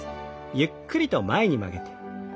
ゆっくりと前に曲げて。